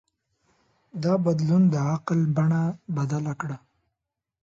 دا بدلون د عقل بڼه بدله کړه.